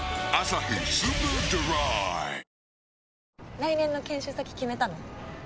来年の研修先決めたの？